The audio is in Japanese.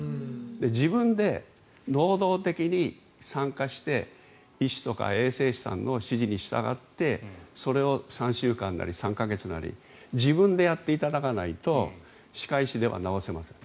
自分で能動的に参加して医師とか衛生士さんの指示に従ってそれを３週間なり３か月なり自分でやっていただかないと歯科医師では治せません。